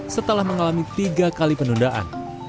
setelah mengalami tiga kali penundaan